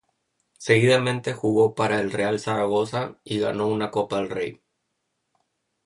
Seguidamente jugó para el Real Zaragoza y ganó una Copa del Rey.